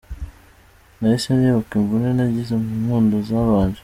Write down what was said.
Nahise nibuka imvune nagize mu nkundo zabanje.